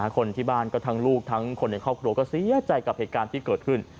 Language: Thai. คนที่บ้านก็ทั้งลูกทั้งคนในครอบครัวก็เสียใจกับเหตุการณ์ที่เกิดขึ้น